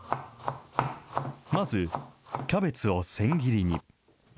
まず、キャベツをせん切りに。